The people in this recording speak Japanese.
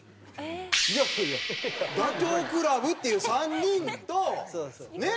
ダチョウ倶楽部っていう３人とねっ？